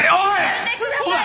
やめてください！